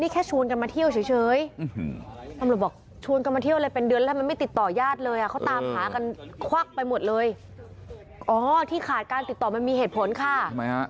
นี้แค่ชวนกำมาเที่ยวเฉยร้ำหลับบอกชวนกำมาที่อะไรเป็นเดือนแล้วมันไม่ติดต่อยาตเลยเอ่อเขาตามหากันควักไปหมดเลยอ่อที่ขาดการติดต่อมันมีเหตุผลค่ะ